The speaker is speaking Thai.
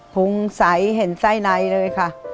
พุงใสเห็นไส้ในเลยค่ะ